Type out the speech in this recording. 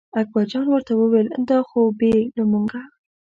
اکبرجان ورته وویل دا خو بې له مونږه.